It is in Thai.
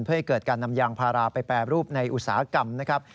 เพื่อให้เกิดการนำยางพาราไปแปรรูปในอุตสาหกรรมนะครับ